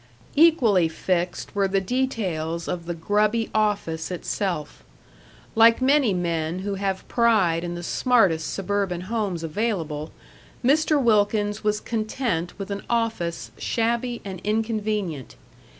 Equally fixed were the details of the grubby office itself. Like many men who have pride in the smartest suburban homes available, Mr. Wilkins was content with an office shabby and inconvenient.